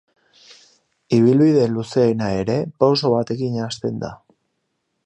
Ibilaldi luzeena ere pauso batekin hasten da.